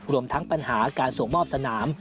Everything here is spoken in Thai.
รวมทั้งปัญหาการส่งมอบสนาม